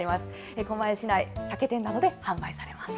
狛江市内、酒店などで販売されます。